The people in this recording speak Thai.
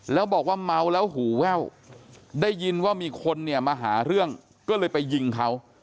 แล้วบอกว่าเมาแล้วหูแว่วได้ยินว่ามีคนเนี่ยมาหาเรื่องก็เลยไปยิงเขา